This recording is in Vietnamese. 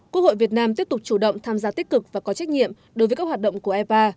quốc hội việt nam tiếp tục chủ động tham gia tích cực và có trách nhiệm đối với các hoạt động của ipa